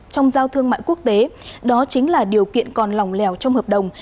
trong giao thương mại quốc tế đó chính là điều kiện còn lòng lẻo trong hợp đồng